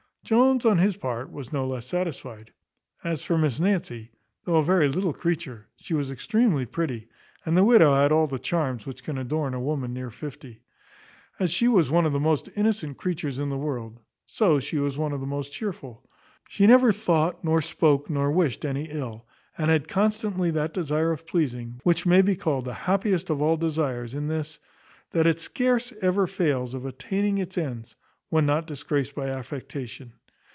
Jones on his part was no less satisfied. As for Miss Nancy, though a very little creature, she was extremely pretty, and the widow had all the charms which can adorn a woman near fifty. As she was one of the most innocent creatures in the world, so she was one of the most chearful. She never thought, nor spoke, nor wished any ill, and had constantly that desire of pleasing, which may be called the happiest of all desires in this, that it scarce ever fails of attaining its ends, when not disgraced by affectation.